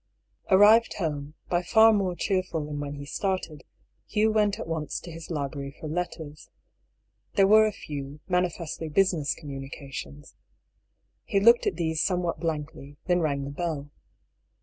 Arrived home, by far more cheerful than when he started, Hugh went at once to his library for letters. There were a few, manifestly business communications. He looked at these somewhat blankly, then rang the bell.